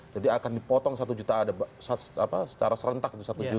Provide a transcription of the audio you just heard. jadi akan dipotong satu juta secara serentak